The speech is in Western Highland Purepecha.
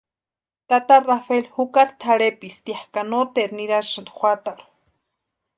Tata Rafeli jukari tʼarhepisti ya ka noteru nirasïnti juatarhu.